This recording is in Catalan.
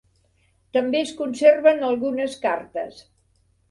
També es conserven algunes cartes.